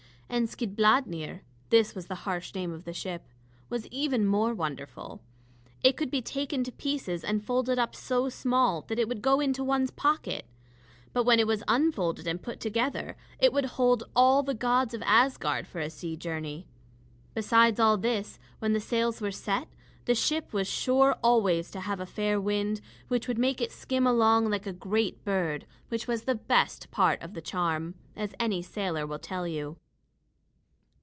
And Skidbladnir this was the harsh name of the ship was even more wonderful. It could be taken to pieces and folded up so small that it would go into one's pocket. But when it was unfolded and put together, it would hold all the gods of Asgard for a sea journey. Besides all this, when the sails were set, the ship was sure always to have a fair wind, which would make it skim along like a great bird, which was the best part of the charm, as any sailor will tell you.